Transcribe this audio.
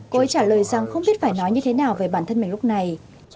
cô trả lời rằng không biết phải nói như thế nào về bản thân mình lúc này